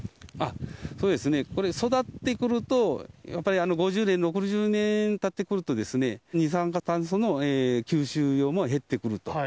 そうですね、これ、育ってくると、やっぱり５０年、６０年たってくると、二酸化炭素の吸収量も減ってくると。